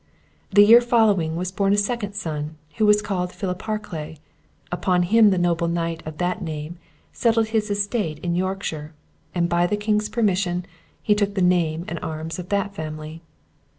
The year following was born a second son, who was called Philip Harclay; upon him the noble knight of that name settled his estate in Yorkshire; and by the king's permission, he took the name and arms of that family.